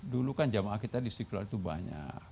dulu kan jamaah kita di sikular itu banyak